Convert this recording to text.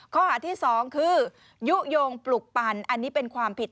ข้อหาที่๒คือยุโยงปลุกปั่นอันนี้เป็นความผิด